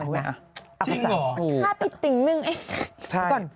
จริงเหรอค่าติดติ่งนึงไอ้ใช่